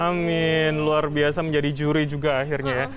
amin luar biasa menjadi juri juga akhirnya ya